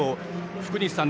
福西さん